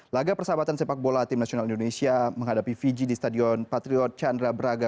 laga persahabatan sepak bola tim nasional indonesia menghadapi fiji di stadion patriot chandra braga